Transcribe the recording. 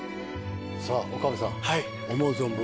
さあ岡部さん思う存分。